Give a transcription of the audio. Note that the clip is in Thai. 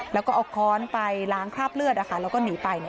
แล้วก็เอาค้อนไปล้างคราบเลือดแล้วก็หนีไป